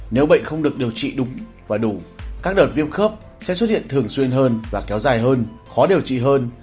nếu bệnh không được điều trị đúng và đủ các đợt viêm khớp sẽ xuất hiện thường xuyên hơn và kéo dài hơn khó điều trị hơn